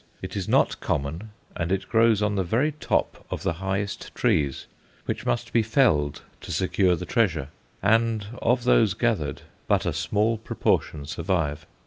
It is not common, and it grows on the very top of the highest trees, which must be felled to secure the treasure; and of those gathered but a small proportion survive.